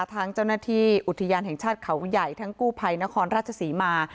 เจ้าหน้าที่อุทยานแห่งชาติเขาใหญ่ทั้งกู้ภัยนครราชศรีมา